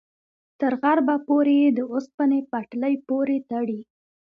تر غربه پورې یې د اوسپنې پټلۍ پورې تړي.